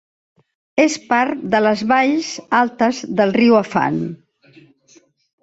És part de les valls altes del riu Afan.